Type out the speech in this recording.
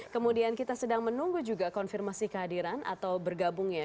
kemudian kita sedang menunggu juga konfirmasi kehadiran atau bergabungnya